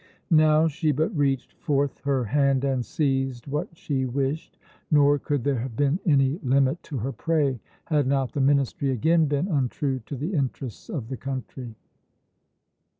Now she but reached forth her hand and seized what she wished; nor could there have been any limit to her prey, had not the ministry again been untrue to the interests of the country.